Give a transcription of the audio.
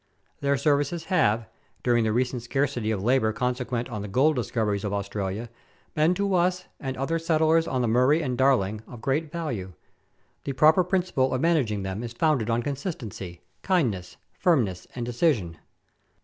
Their services have, during the recent scarcity of labour consequent on the gold discoveries of Australia, been to us and other settlers on the Murray and Darling of great value. The proper principle of managing them is founded on consistency, kind ness, firmness, and decision.